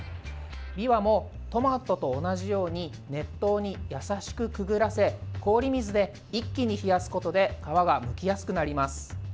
びわもトマトと同じように熱湯に優しくくぐらせ氷水で一気に冷やすことで皮がむきやすくなります。